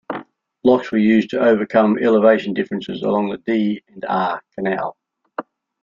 Locks were used to overcome elevation differences along the D and R canal.